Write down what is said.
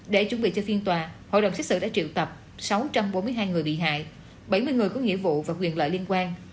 để chuẩn bị cho phiên tòa hội đồng xét xử đã triệu tập sáu trăm bốn mươi hai người bị hại bảy mươi người có nghĩa vụ và quyền lợi liên quan